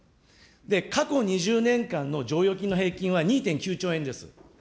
過去２０年間の剰余金の平均は２．９兆円です。